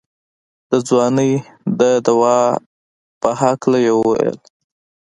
د ځوانۍ د دوا په هکله يې وويل.